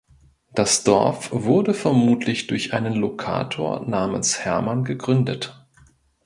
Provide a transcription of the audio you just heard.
Das Dorf wurde vermutlich durch einen Lokator namens "Herman" gegründet.